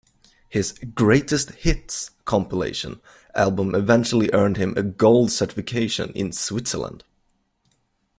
His "Greatest hits" compilation album eventually earned him a Gold certification in Switzerland.